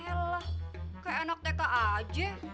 kayak enak tk aja